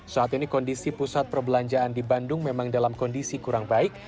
saat ini kondisi pusat perbelanjaan di bandung memang dalam kondisi kurang baik